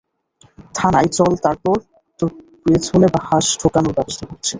থানায় চল তারপর তোর পেছনে বাঁশ ঢুকানোর ব্যাবস্থা করছি।